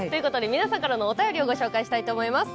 皆さんからのお便りをご紹介したいと思います。